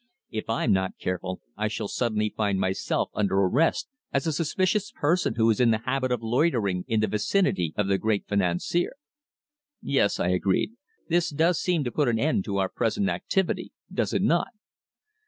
If I'm not careful I shall suddenly find myself under arrest as a suspicious person who is in the habit of loitering in the vicinity of the great financier." "Yes," I agreed. "This seems to put an end to our present activity does it not?"